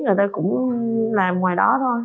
người ta cũng làm ngoài đó thôi